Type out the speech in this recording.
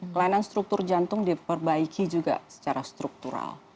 kelainan struktur jantung diperbaiki juga secara struktural